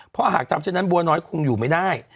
เพราะหากทำเช่นนั้นบัวน้อยคงอยู่ไม่ได้